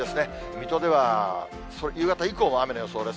水戸では夕方以降も雨の予想です。